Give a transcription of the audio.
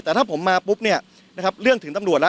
แต่ถ้าผมมาปุ๊บเนี่ยนะครับเรื่องถึงตำรวจแล้ว